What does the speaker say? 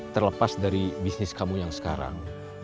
terlepas dari bisnis kamu yang sekarang